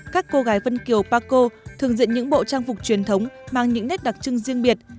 các cô gái vân kiều paco thường diện những bộ trang phục truyền thống mang những nét đặc trưng riêng biệt